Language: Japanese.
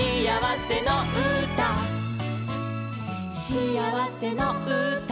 「しあわせのうた」